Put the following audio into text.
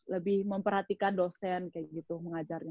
lebih memperhatikan dosen kayak gitu mengajarnya